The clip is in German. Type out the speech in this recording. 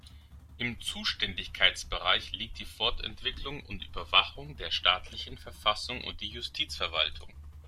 Im Zuständigkeitsbereich liegt die Fortentwicklung und Überwachung der staatlichen Verfassung und die Justizverwaltung.